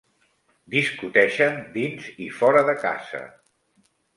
Discuteixen dins i fora de casa.